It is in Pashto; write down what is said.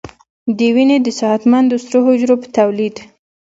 د وینې د صحتمندو سرو حجرو په تولید